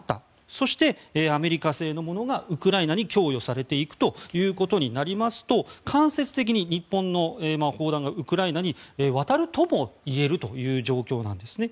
そして、アメリカ製のものがウクライナに供与されていくということになりますと間接的に日本の砲弾がウクライナに渡るともいえる状況なんですね。